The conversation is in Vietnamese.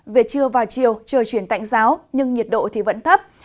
về trưa vào chiều trời chuyển tạnh giáo nhưng nhiệt độ vẫn thấp